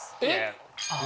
えっ？